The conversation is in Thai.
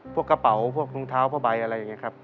พวกกระเป๋าพวกรองเท้าผ้าใบอะไรอย่างนี้ครับ